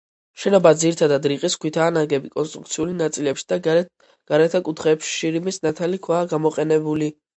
შენობა ძირითადად რიყის ქვითაა ნაგები, კონსტრუქციულ ნაწილებში და გარეთა კუთხეებში შირიმის ნათალი ქვაა გამოყენებული.